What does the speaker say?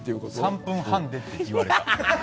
「３分半で」って言われたので。